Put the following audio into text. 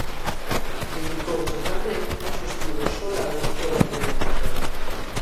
Dedicouse tamén aos estudos solares e da cromosfera.